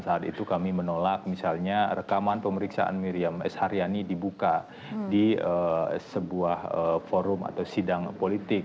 saat itu kami menolak misalnya rekaman pemeriksaan miriam s haryani dibuka di sebuah forum atau sidang politik